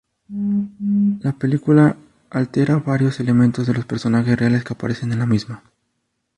La película altera varios elementos de los personajes reales que aparecen en la misma.